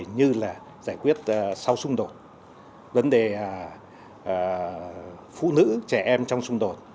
như là giải quyết sau xung đột vấn đề phụ nữ trẻ em trong xung đột